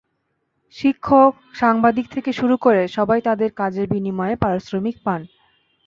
শিক্ষক, সাংবাদিক থেকে শুরু করে সবাই তাঁদের কাজের বিনিময়ে পারিশ্রমিক পান।